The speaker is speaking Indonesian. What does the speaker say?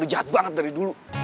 jahat banget dari dulu